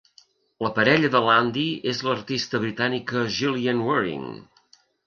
La parella de Landy és l'artista britànica Gillian Wearing.